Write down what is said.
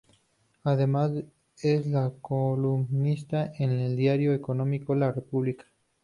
Además es columnista en el diario económico La República.